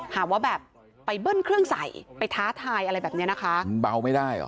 หากว่าแบบไปเบิ้ลเครื่องใสไปท้าทายอะไรแบบนี้นะคะ